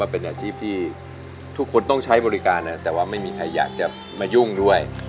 เป็นอาชีพที่ทุกคนต้องใช้บริการแต่ว่าไม่มีใครอยากจะมายุ่งด้วย